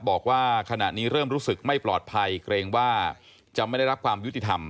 บอกว่าขณะนี้เริ่มรู้สึกไม่ปลอดภัยเกรงว่าจะไม่ได้รับความยุติธรรม